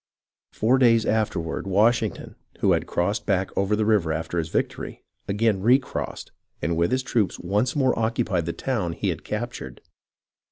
Four days afterward Washington, who had crossed back over the river after his victory, again recrossed, and with his troops once more occupied the town he had captured.